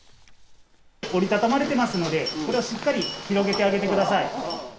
折り畳まれていますのでこれをしっかり広げてあげてください。